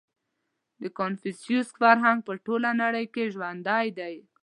• د کنفوسیوس فرهنګ په ټوله نړۍ کې ژوندی دی.